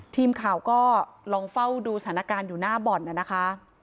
ทีมข่าวก็ลองเฝ้าดูสถานการณ์อยู่หน้าบ่อนนะคะ